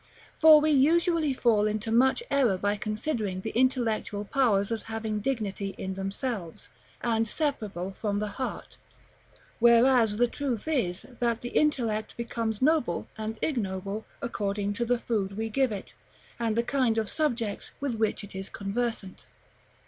For we usually fall into much error by considering the intellectual powers as having dignity in themselves, and separable from the heart; whereas the truth is, that the intellect becomes noble and ignoble according to the food we give it, and the kind of subjects with which it is conversant.